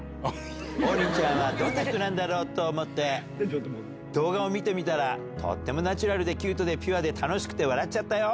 王林ちゃんはどんな人なんだろうと思って、動画を見てみたら、とってもナチュラルでキュートでピュアで楽しくて笑っちゃったよ。